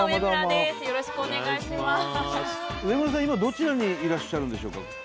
今どちらにいらっしゃるんでしょうか？